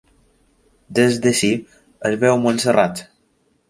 Des d'ací es veu Montserrat.